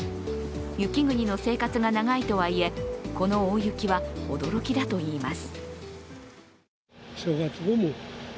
雪国の生活が長いといえ、この大雪は驚きだといいます。